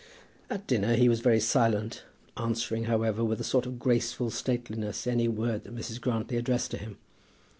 At dinner he was very silent, answering, however, with a sort of graceful stateliness any word that Mrs. Grantly addressed to him.